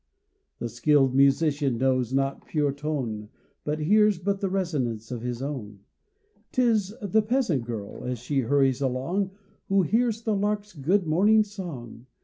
The skilled musician knows not pure tone; He hears but the resonance of his own. 'Tis the peasant girl, as she hurries along, Who hears the lark's good morning song.